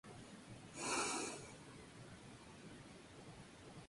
La oposición del voto rural no impidió su elección.